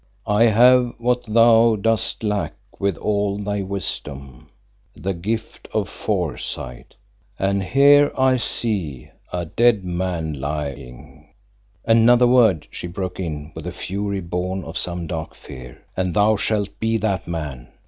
I have what thou dost lack with all thy wisdom, the gift of foresight, and here I see a dead man lying " "Another word," she broke in with fury born of some dark fear, "and thou shalt be that man.